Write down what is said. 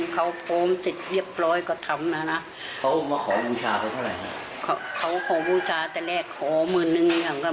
เขาร่าสุดก็ให้ราคาเท่าไรถึงยอมตัด